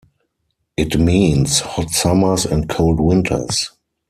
It means hot summers and cold winters.